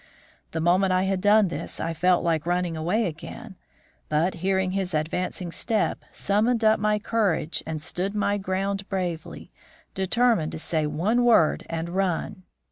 The moment I had done this I felt like running away again, but hearing his advancing step, summoned up my courage and stood my ground bravely, determined to say one word and run.